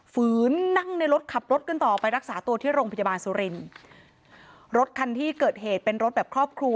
ฝืนนั่งในรถขับรถกันต่อไปรักษาตัวที่โรงพยาบาลสุรินทร์รถคันที่เกิดเหตุเป็นรถแบบครอบครัว